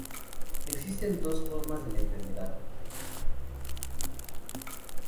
Existen dos formas de la enfermedad.